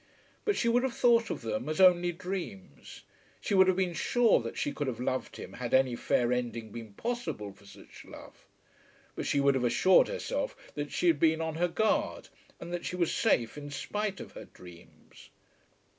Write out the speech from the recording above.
But she would have thought of them as only dreams. She would have been sure that she could have loved him had any fair ending been possible for such love; but she would have assured herself that she had been on her guard, and that she was safe in spite of her dreams.